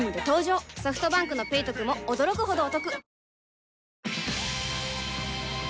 ソフトバンクの「ペイトク」も驚くほどおトク